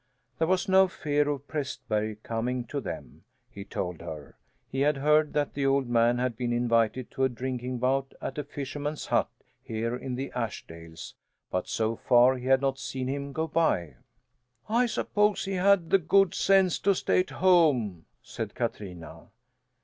There was no fear of Prästberg coming to them, he told her. He had heard that the old man had been invited to a drinking bout at a fisherman's but here in the Ashdales, but so far he had not seen him go by. "I suppose he has had the good sense to stay at home," said Katrina.